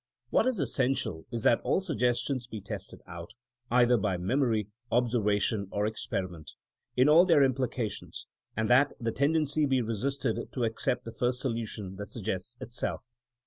What is essential is that all suggestions be tested out, either by memory, observation or experiment, in all their implications, and that the tendency be resisted to accept the first solu tion that suggests itself.